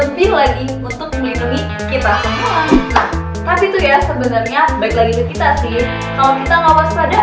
ini dia lima cara jitu untuk menggapainya